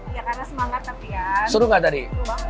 iya karena semangat tapi ya seru gak tadi